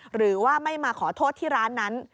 หรือว่าไม่มาขอโทษที่ร้านนั้น